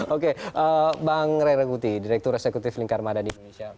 oke bang ray raguti direktur eksekutif lingkar mada di indonesia